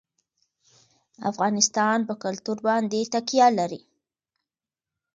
افغانستان په کلتور باندې تکیه لري.